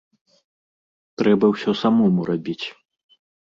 Трэба ўсё самому рабіць.